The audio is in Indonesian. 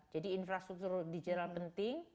jadi infrastruktur digital penting